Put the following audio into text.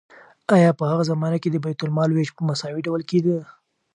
آیا په هغه زمانه کې د بیت المال ویش په مساوي ډول کیده؟